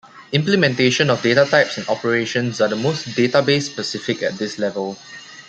Implementation of data types and operations are the most database specific at this level.